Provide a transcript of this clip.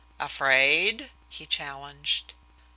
"Afraid?" he challenged.